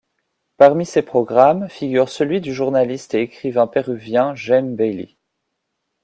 Parmi ses programmes, figure celui du journaliste et écrivain péruvien Jaime Bayly.